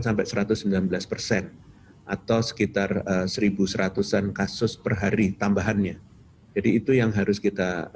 sampai satu ratus sembilan belas persen atau sekitar seribu seratusan kasus perhari tambahannya jadi itu yang harus kita